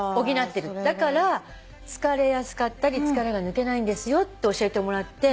だから疲れやすかったり疲れが抜けないんですよ」って教えてもらって。